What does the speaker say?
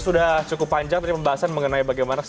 sudah cukup panjang tadi pembahasan mengenai bagaimana